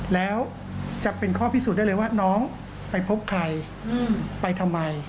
แล้วจะเป็นข้อพิสูจน์ได้เลยว่าน้องไปพบใครไปทำไม